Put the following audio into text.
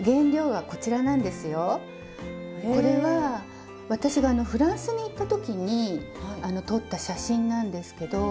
これは私がフランスに行った時に撮った写真なんですけど。